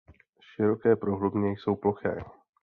Široké prohlubně jsou ploché.